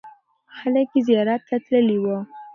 خلک یې زیارت ته تللې وو.